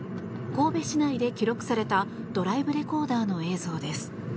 神戸市内で記録されたドライブレコーダーの映像です。